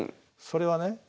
それはね